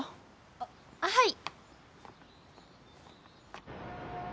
あっはい。